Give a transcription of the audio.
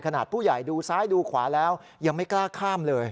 ขนาดผู้ใหญ่ดูซ้ายดูขวาแล้วยังไม่กล้าข้ามเลย